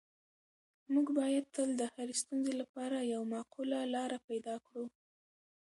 موږ باید تل د هرې ستونزې لپاره یوه معقوله لاره پیدا کړو.